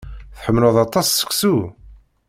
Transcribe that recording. Tḥemmleḍ aṭas seksu?